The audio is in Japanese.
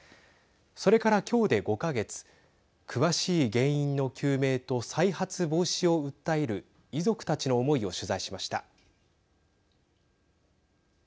それから今日で５か月詳しい原因の究明と再発防止を訴える遺族たちの思いを取材しました。